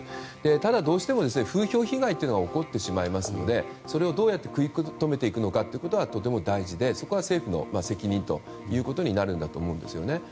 ただ、どうしても風評被害が起こってしまいますのでそれをどうやって食い止めていくかがとても大事で、そこは政府の責任となると思います。